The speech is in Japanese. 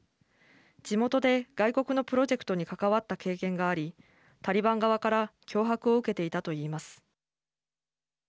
地元で外国のプロジェクトに関わった経験がありタリバン側から脅迫を受けていたといいます。